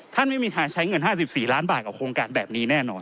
ไม่มีทางใช้เงิน๕๔ล้านบาทกับโครงการแบบนี้แน่นอน